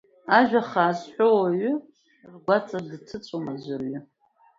Ажәа-хаа зҳәо ауаҩы, ргәаҵа дҭыҵәом аӡәырҩы.